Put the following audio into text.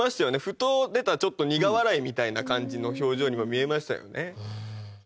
ふと出たちょっと苦笑いみたいな感じの表情にも見えましたよね。